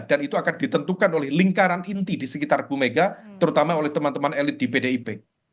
dan itu akan ditentukan oleh lingkaran inti di sekitar bu mega terutama oleh teman teman elit di pdip